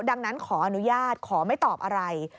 ดังนั้นขออนุญาตขอไม่ตอบอะไร